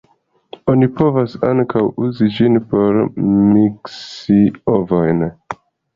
Oni povas ankaŭ uzi ĝin por miksi ovojn.